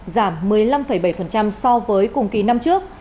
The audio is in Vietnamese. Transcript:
giảm một mươi năm bảy so với cùng kỳ năm trước